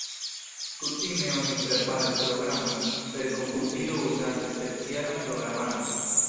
Kutime oni preparas programojn per komputilo uzante specialan programaron.